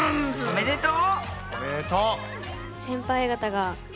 おめでとう！